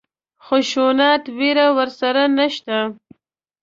خشونت وېره ورسره نشته.